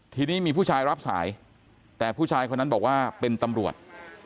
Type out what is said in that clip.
ทีนี้มีผู้ชายรับสายแต่ผู้ชายคนนั้นบอกว่าเป็นตำรวจ